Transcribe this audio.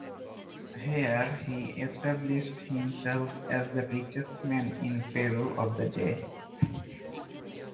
Here he established himself as the richest man in Peru of the day.